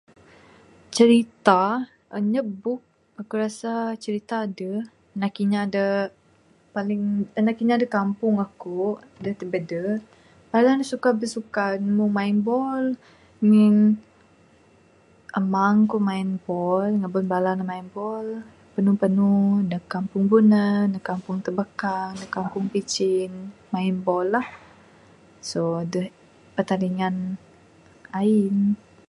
Cerita inyap book ku rasa cerita deh anak kinya dek paling anak kinya dak kampung aku dak tebedu bala ne suka bersukan mung main ball ngin amang ku main ball, ngeban bala ne main ball panu-panu ndek Kampung Bunan, ndek Kampung Tebakang, ndek Kampung Pichin, main ball lah. So deh pertandingan ain.